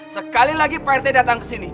sekali lagi pak rt datang kesini